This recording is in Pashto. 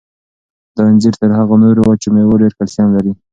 دا انځر تر هغو نورو وچو مېوو ډېر کلسیم لري.